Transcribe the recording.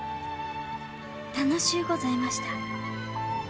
楽しゅうございました。